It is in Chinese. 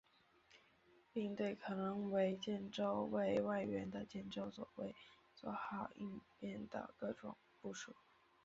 并对可能作为建州卫外援的建州左卫作好应变的各种部署。